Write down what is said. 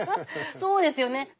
そうですよね。